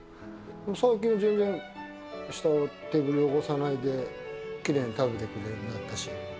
最近は全然、下、テーブル汚さないで、きれいに食べてくれるようになったし。